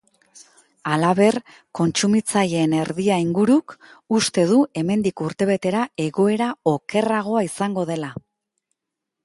Halaber, kontsumitzaileen erdia inguruk uste du hemendik urtebetera egoera okerragoa izango dela.